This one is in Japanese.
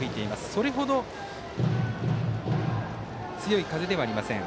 それほど強い風ではありません。